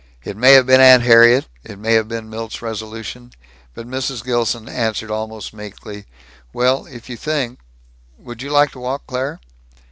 It may have been Aunt Harriet, it may have been Milt's resolution, but Mrs. Gilson answered almost meekly, "Well, if you think Would you like to walk, Claire?"